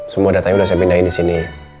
semua datanya udah saya pindahin disini